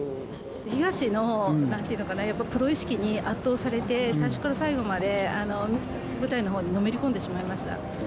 ヒガシのなんていうのかな、プロ意識に圧倒されて、最初から最後まで舞台にのめり込んでしまいました。